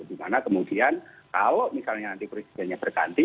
dimana kemudian kalau misalnya nanti presidennya berganti